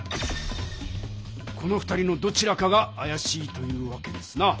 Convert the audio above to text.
この２人のどちらかがあやしいというわけですな。